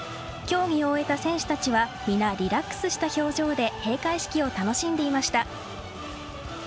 競技を終えた選手たちは、皆リラックスした表情で、閉会式を楽しんでいました。